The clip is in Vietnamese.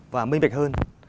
và mênh mệch hơn